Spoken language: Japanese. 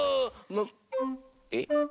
えっ？